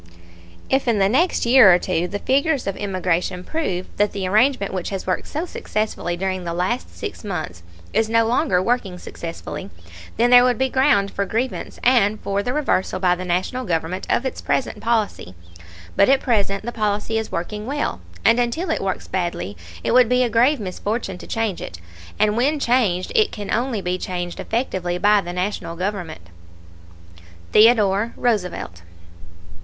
If in the next year or two the figures of immigration prove that the arrangement which has worked so successfully during the last six months is no longer working successfully, then there would be ground for grievance and for the reversal by the National Government of its present policy. But at present the policy is working well, and until it works badly it would be a grave misfortune to change it, and when changed it can only be changed effectively by the National Government. THEODORE ROOSEVELT.